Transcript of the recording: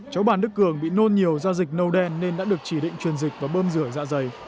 cháu bàn đức cường bị nôn nhiều giao dịch nâu đen nên đã được chỉ định truyền dịch và bơm rửa dạ dày